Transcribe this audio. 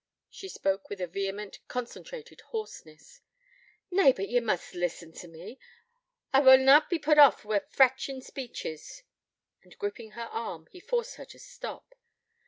She spoke with a vehement, concentrated hoarseness. 'Nay, but ye must listen to me. I will na be put off wi' fratchin speeches.' And gripping her arm, he forced her to stop.